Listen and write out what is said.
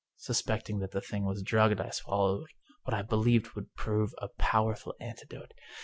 Suspecting that the thing was drugged I swallowed what I believed would prove a powerful antidote.